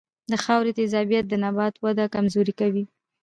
د خاورې تیزابیت د نبات وده کمزورې کوي.